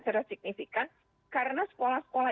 secara signifikan karena sekolah sekolah